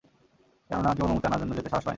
কেননা, কেউ অনুমতি আনার জন্যে যেতে সাহস পায়নি।